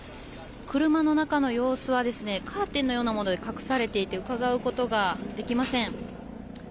車の中の様子はカーテンのようなもので隠されていてうかがうことができません。